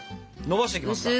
のばしていきますか。